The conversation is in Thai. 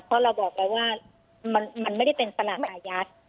เพราะเราบอกแล้วว่ามันไม่ได้เป็นตลาดอายัด